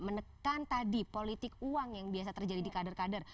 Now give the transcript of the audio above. menekan tadi politik uang yang biasa terjadi di kader kader